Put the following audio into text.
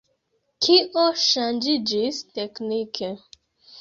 Kio ŝanĝiĝis teknike?